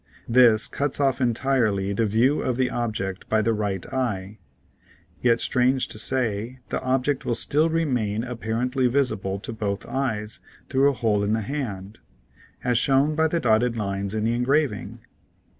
This cuts off entirely the view of the object by the right eye, yet strange to say the object will still remain apparently visible to both eyes through a hole in the hand, as shown by the dotted lines in the engraving